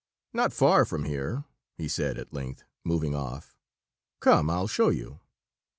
"Not far from here," he said at length, moving off. "Come, I'll show you."